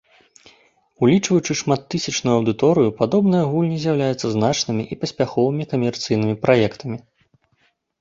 Улічваючы шматтысячную аўдыторыю, падобныя гульні з'яўляюцца значнымі і паспяховымі камерцыйнымі праектамі.